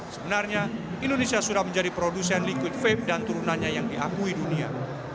sebenarnya indonesia sudah menjadi produsen liquid vape dan turunannya yang diakui dunia